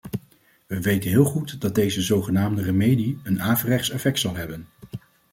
We weten heel goed dat deze zogenaamde remedie een averechts effect zal hebben.